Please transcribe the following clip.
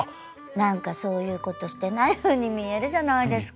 何かそういうことしてないふうに見えるじゃないですか。